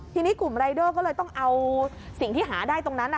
ทีนี้กลุ่มรายเดอร์ก็เลยต้องเอาสิ่งที่หาได้ตรงนั้น